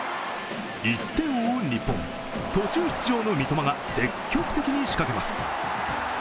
１点を追う日本、途中出場の三笘が積極的に仕掛けます。